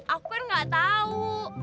aku kan gak tau